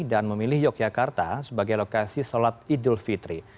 memilih yogyakarta sebagai lokasi sholat idul fitri